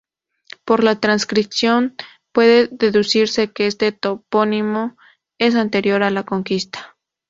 Por lo transcrito, puede deducirse que este topónimo es anterior a la conquista.